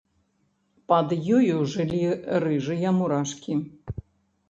Пад ёю жылі рыжыя мурашкі.